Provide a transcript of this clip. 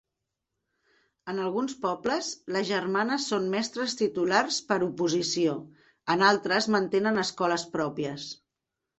En alguns pobles, les germanes són mestres titulars per oposició; en altres, mantenen escoles pròpies.